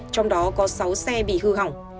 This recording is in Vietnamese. trong đó có sáu xe bị hư hỏng